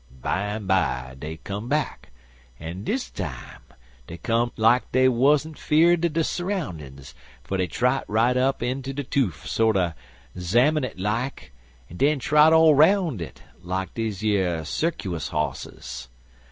Bimeby dey come back, an' dis time dey come like dey wuzzent 'fear'd er de s'roundin's, fer dey trot right up unto de toof, sorter 'zamine it like, an' den trot all roun' it, like deze yer circuous hosses.